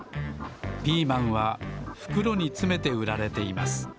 ピーマンはふくろにつめてうられています。